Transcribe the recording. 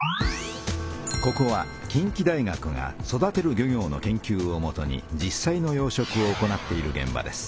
ここは近畿大学が育てる漁業の研究をもとに実さいの養殖を行っているげん場です。